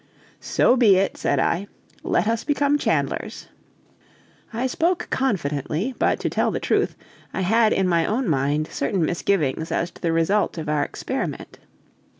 "So be it," said I; "let us become chandlers." I spoke confidently, but to tell the truth, I had in my own mind certain misgivings as to the result of our experiment.